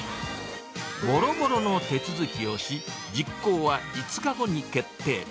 もろもろの手続きをし、実行は５日後に決定。